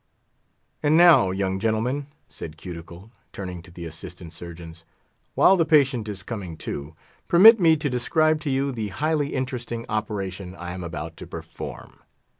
"And now, young gentlemen," said Cuticle, turning to the Assistant Surgeons, "while the patient is coming to, permit me to describe to you the highly interesting operation I am about to perform."